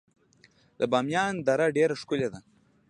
د بامیان دره ډیره ښکلې ده